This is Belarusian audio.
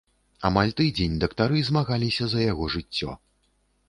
Амаль тыдзень дактары змагаліся за яго жыццё.